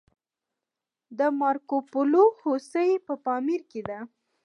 د مارکوپولو هوسۍ په پامیر کې ده